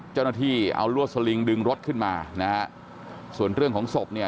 เจ้าหน้าที่เอาลวดสลิงดึงรถขึ้นมานะฮะส่วนเรื่องของศพเนี่ย